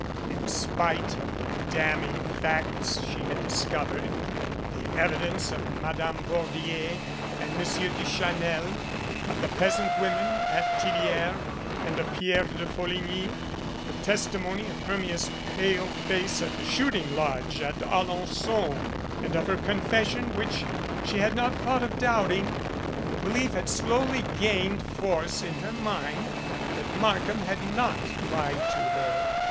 In spite of the damning facts she had discovered, the evidence of Ma dame Bordier and Monsieur Duchanel, of the peasant woman at Tillieres and of Pierre de Folligny, the testi mony of Hermia's pale face at the shooting lodge at Alen9on and of her confession which she had not thought of doubting, the belief had slowly gained force in her mind that Markham had not lied to her.